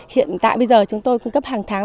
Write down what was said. hiện tại bây giờ chúng tôi cung cấp hàng tháng